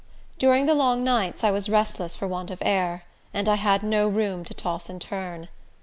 During the long nights I was restless for want of air, and I had no room to toss and turn.